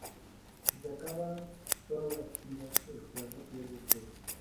Si se acaban todas las vidas el jugador pierde el juego.